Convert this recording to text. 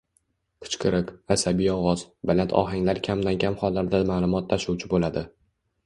Qichqiriq, asabiy ovoz, baland ohanglar kamdan-kam hollarda ma’lumot tashuvchi bo‘ladi